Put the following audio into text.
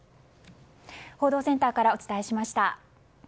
報道センターからお伝えしました。